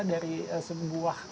dari sebuah senjata